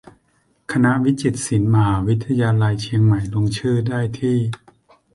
คณะวิจิตรศิลป์ มหาวิทยาลัยเชียงใหม่ ลงชื่อได้ที่